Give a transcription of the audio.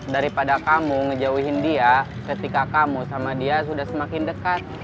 daripada kamu ngejauhin dia ketika kamu sama dia sudah semakin dekat